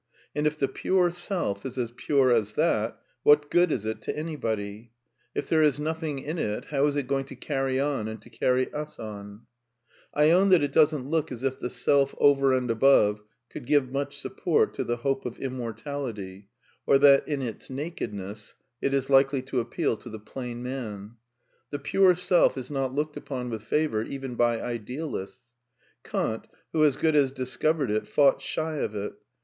And if the pure seK is as pure as that, what good is it to any body ? If there is nothing in it, how is it going to carry on and to carry us on ? I own that it doesn't look as if the self over and above could give much support to the hope of immortality, or that in its nakedness it is likely to appeal to the plain man* The pure self is not looked upon with favour even by idealists. Kant, who as good as discovered it, fought shy of it.